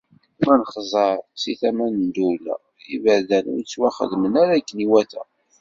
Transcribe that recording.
Ma nexẓer si tama n ddula, iberdan ur ttwaxedmen ara akken iwata.